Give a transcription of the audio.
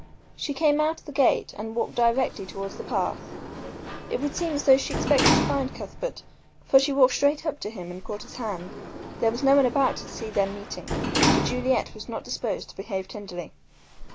She came out of the gate and walked directly towards the path. It would seem as though she expected to find Cuthbert, for she walked straight up to him and caught his hand. There was no one about to see their meeting, but Juliet was not disposed to behave tenderly.